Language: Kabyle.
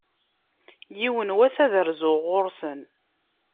Yiwen wass, ad rzuɣ ɣur-sen.